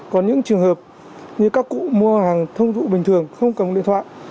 còn những trường hợp như các cụ mua hàng thông thụ bình thường không cần điện thoại